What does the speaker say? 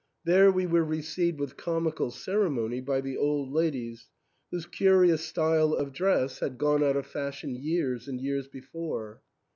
There we were received with comical ceremony by the old ladies, whose curious style of dress had gone out of 230 THE ENTAIL. fashion years and years before.